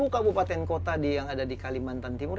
sepuluh kabupaten kota yang ada di kalimantan timur